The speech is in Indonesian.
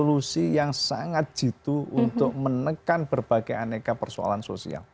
dan itu adalah institusi yang sangat jitu untuk menekan berbagai aneka persoalan sosial